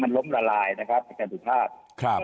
มันล้มละลายนะครับอาจารย์สุภาพ